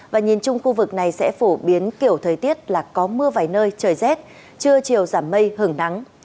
và nhìn chung khu vực này sẽ phổ biến kiểu thời tiết là có mưa vài nơi trời rét trưa chiều giảm mây hứng nắng